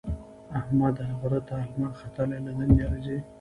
احمد غره ته لمر ختلی له دندې ارځي.